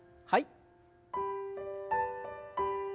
はい。